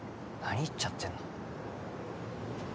何言っちゃってんの？